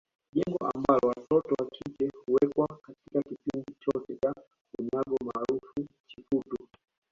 Jengo ambalo watoto wa kike huwekwa katika kipindi chote cha unyago maarufu Chiputu